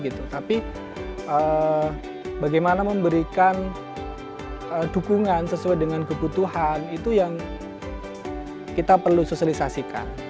tapi bagaimana memberikan dukungan sesuai dengan kebutuhan itu yang kita perlu sosialisasikan